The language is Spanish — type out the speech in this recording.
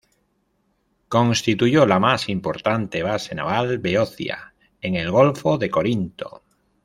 Constituyó la más importante base naval beocia en el golfo de Corinto.